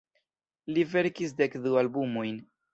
Li verkis dek du albumojn.